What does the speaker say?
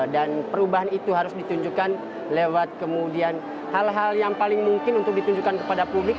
dan perubahan itu harus ditunjukkan lewat kemudian hal hal yang paling mungkin untuk ditunjukkan kepada publik